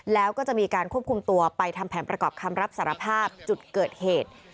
แล้วก็จะมีการควบคุมตัวไปทำแผนประกอบคำรับสารภาพจุดเกิดเหตุ